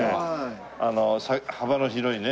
あの幅の広いね。